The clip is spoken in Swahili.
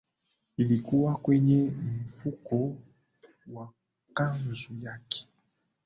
ilikuwa kwenye mfuko wa kanzu yake